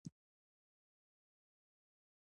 ایا زه باید د معدې ټسټ وکړم؟